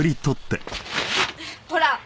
ほら！